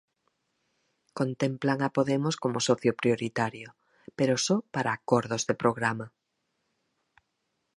Contemplan a Podemos como socio prioritario, pero só para acordos de programa.